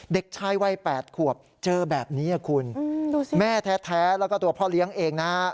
เด็กชายวัย๘ขวบเจอแบบนี้คุณดูสิแม่แท้แล้วก็ตัวพ่อเลี้ยงเองนะฮะ